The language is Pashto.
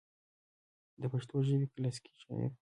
دَپښتو ژبې کلاسيکي شاعر